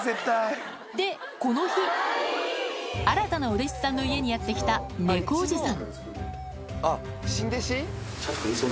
でこの日新たなお弟子さんの家にやって来た猫おじさん